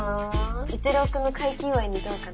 一郎君の快気祝にどうかな？